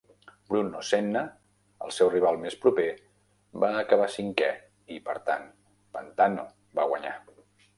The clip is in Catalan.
Bruno Senna, el seu rival més proper, va acabar cinquè i, per tant, Pantano va guanyar.